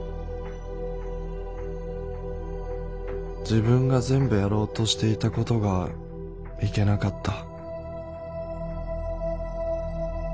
「自分が全部やろうとしていたことがいけなかった」。